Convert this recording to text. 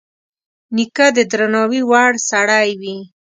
نیکه د درناوي وړ سړی وي.